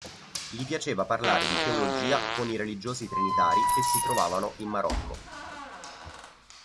Gli piaceva parlare di teologia con i religiosi trinitari che si trovavano in Marocco.